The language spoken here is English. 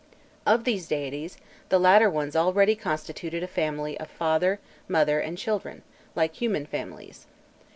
Of these deities, the latter ones already constituted a family of father, mother, and children, like human families.